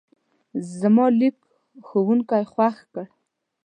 زما لیک ښوونکی خوښ کړ.